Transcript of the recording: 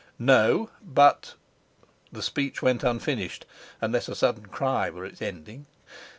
"No; but " The speech went unfinished, unless a sudden cry were its ending.